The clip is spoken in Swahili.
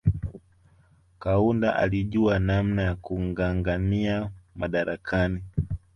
Kaunda alijua namna ya kungangania madarakani